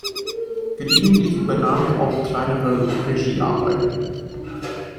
Gelegentlich übernahm er auch kleinere Regiearbeiten.